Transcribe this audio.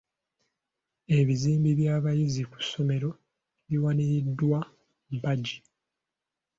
Ebizimbe by'abayizi ku ssomero biwaniriddwa mpagi.